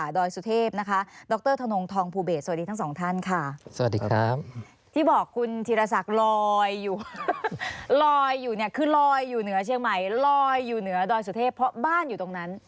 รอยอยู่เนี่ยคือรอยอยู่เหนือเชียงใหม่รอยอยู่เหนือดอยสุเทพเพราะบ้านอยู่ตรงนั้น